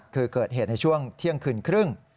คือเกิดเหตุในช่วงเที่ยงคืนครึ่ง